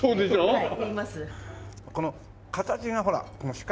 はい。